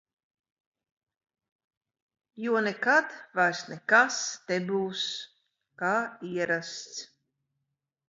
Jo nekad vairs nekas nebūs, kā ierasts.